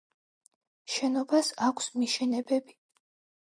შენობას აქვს მიშენებები.